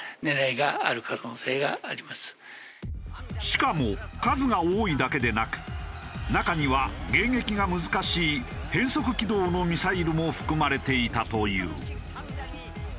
しかも数が多いだけでなく中には迎撃が難しい変速軌道のミサイルも含まれていたという。